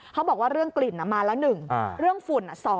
เขาบอกว่าเรื่องกลิ่นมาแล้ว๑เรื่องฝุ่น